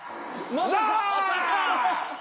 まさか！